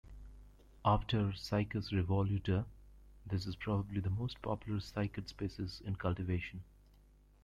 After "Cycas revoluta", this is probably the most popular cycad species in cultivation.